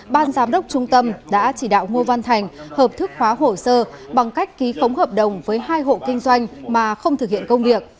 ban giám đốc trung tâm đã chỉ đạo ngô văn thành hợp thức hóa hồ sơ bằng cách ký khống hợp đồng với hai hộ kinh doanh mà không thực hiện công việc